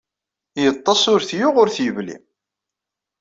Yeṭṭes ur t-yuɣ ur t-yebli.